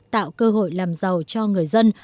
tạo cơ hội làm giàu cho người dân